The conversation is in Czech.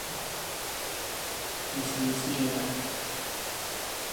Myslím si, že ne.